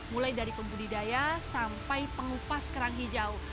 mulai dari pembudidaya sampai pengupas kerang hijau